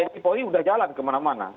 tni polri sudah jalan kemana mana